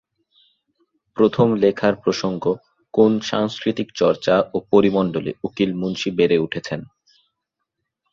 প্রথম লেখার প্রসঙ্গ কোন সাংস্কৃতিক চর্চা ও পরিমণ্ডলে উকিল মুন্সী বেড়ে উঠেছেন।